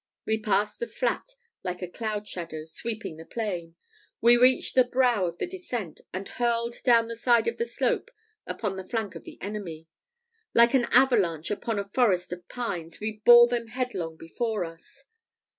We passed the flat like a cloud shadow, sweeping the plain. We reached the brow of the descent, and hurled down the side of the slope upon the flank of the enemy; like an avalanche upon a forest of pines, we bore them headlong before us.